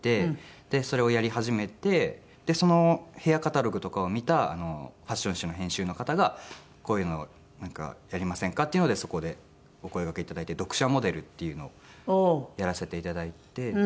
でそれをやり始めてそのヘアカタログとかを見たファッション誌の編集の方が「こういうのやりませんか？」っていうのでそこでお声がけ頂いて読者モデルっていうのをやらせて頂いて。